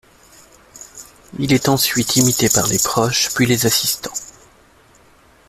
Il est ensuite imité par les proches puis les assistants.